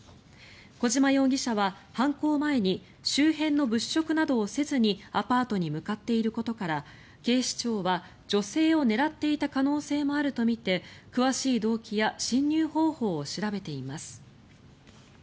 小島容疑者は犯行前に周辺の物色などをせずにアパートに向かっていることから警視庁は、女性を狙っていた可能性もあるとみて詳しい動機や侵入方法を調べています。